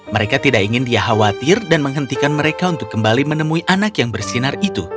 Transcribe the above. mereka tidak ingin dia khawatir dan menghentikan mereka untuk kembali menemui anak yang bersinar itu